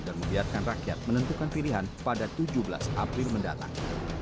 dan membiarkan rakyat menentukan pilihan pada tujuh belas april mendatang